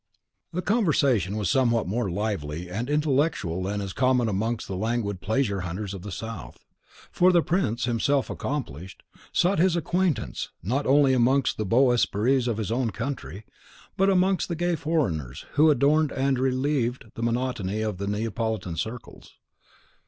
The conversation was somewhat more lively and intellectual than is common amongst the languid pleasure hunters of the South; for the prince, himself accomplished, sought his acquaintance not only amongst the beaux esprits of his own country, but amongst the gay foreigners who adorned and relieved the monotony of the Neapolitan circles.